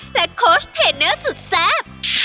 โค้ชเทนเนอร์สุดแซ่บ